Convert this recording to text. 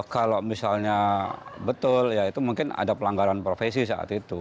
kalau misalnya betul ya itu mungkin ada pelanggaran profesi saat itu